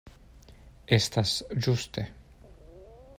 Estas ĝuste.